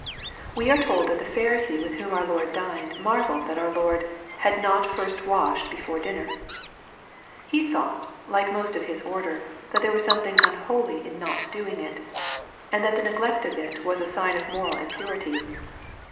We are told that the Pharisee with whom our Lord dined marvelled that our Lord "had not first washed before dinner." He thought, like most of his order, that there was something unholy in not doing it, and that the neglect of it was a sign of moral impurity.